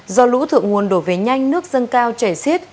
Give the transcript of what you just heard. do lũ thượng nguồn đổ về nhanh nước dâng cao chảy xiết